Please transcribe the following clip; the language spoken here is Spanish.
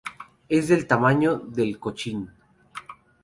Es del tamaño del chochín.